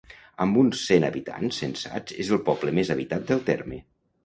Amb uns cent habitants censats és el poble més habitat del terme.